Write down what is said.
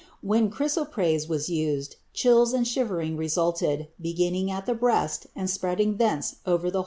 When chrysoprase was used, chills and shivering resulted, beginning at the breast and spreading thence over the whole body.